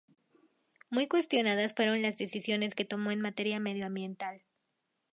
Muy cuestionadas fueron las decisiones que tomó en materia medioambiental.